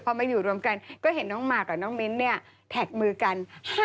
พอมาอยู่รวมกันก็เห็นน้องหมากกับน้องมิ้นเนี่ยแท็กมือกัน